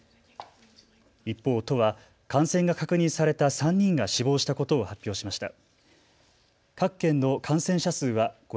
一方、都は感染が確認された３人が死亡したことを発表しました。